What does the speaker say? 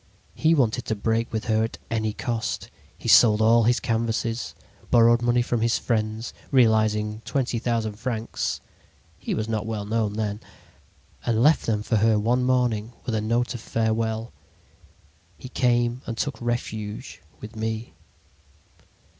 "He wanted to break with her at any cost. He sold all his canvases, borrowed money from his friends, realizing twenty thousand francs (he was not well known then), and left them for her one morning with a note of farewell. "He came and took refuge with me.